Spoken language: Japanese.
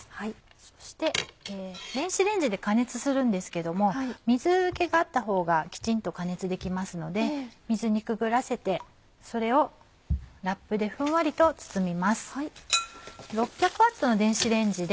そして電子レンジで加熱するんですけども水気があったほうがきちんと加熱できますので水にくぐらせてそれをラップでふんわりと包みます。